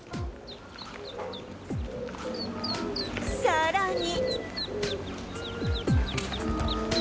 さらに